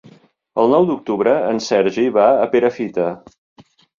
El nou d'octubre en Sergi va a Perafita.